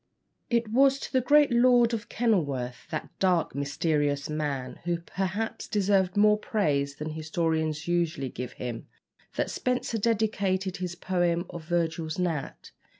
It was to the great Lord of Kenilworth that dark, mysterious man, who perhaps deserved more praise than historians usually give him that Spenser dedicated his poem of "Virgil's Gnat."